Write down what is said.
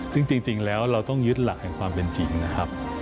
ซึ่งจริงแล้วเราต้องยึดหลักแห่งความเป็นจริงนะครับ